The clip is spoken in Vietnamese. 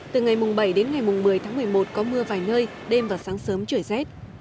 từ ngày bảy đến ngày một mươi tháng một mươi một có mưa vài nơi đêm và sáng sớm trời rét